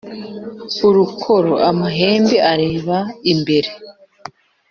urukoro: amahembe areba imbere;